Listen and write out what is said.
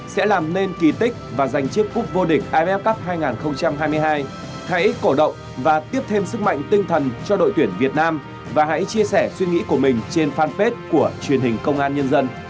hãy đăng ký kênh để ủng hộ kênh của mình nhé